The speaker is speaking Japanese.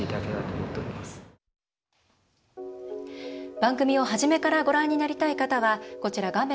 番組を初めからご覧になりたい方は、こちら画面